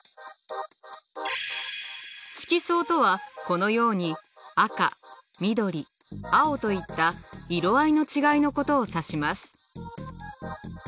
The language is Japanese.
色相とはこのように赤緑青といった色合いの違いのことを指します。